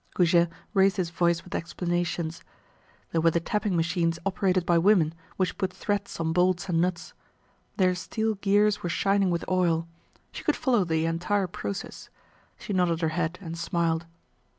Goujet raised his voice with explanations. There were the tapping machines operated by women, which put threads on bolts and nuts. Their steel gears were shining with oil. She could follow the entire process. She nodded her head and smiled.